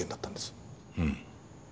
うん。